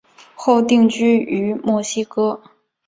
后定居于墨西哥。